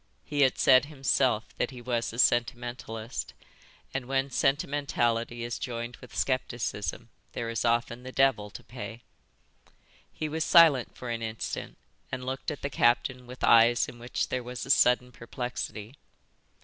He had said himself that he was a sentimentalist, and when sentimentality is joined with scepticism there is often the devil to pay. He was silent for an instant and looked at the captain with eyes in which there was a sudden perplexity.